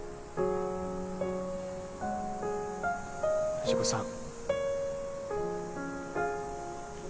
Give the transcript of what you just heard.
藤子さん。